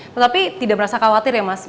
tetapi tidak merasa khawatir ya mas